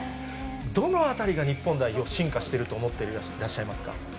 どのあたりが日本代表、進化していると思っていらっしゃいますか。